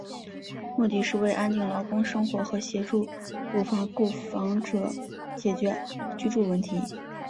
目的是为安定劳工生活与协助无法购屋者解决居住问题。